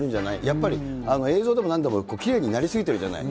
やっぱり、映像でもなんでも、きれいになり過ぎてるじゃない。